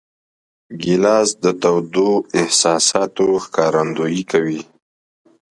ګیلاس د تودو احساساتو ښکارندویي کوي.